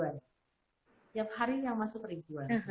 tiap hari yang masuk rp satu